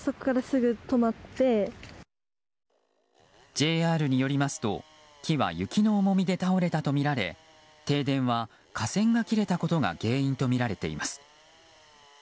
ＪＲによりますと木は雪の重みで倒れたとみられ停電は架線が切れたことが原因とみられています。